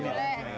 ini boleh ya